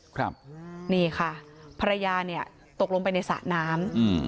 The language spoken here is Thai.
ครับนี่ค่ะภรรยาเนี่ยตกลงไปในสระน้ำอืม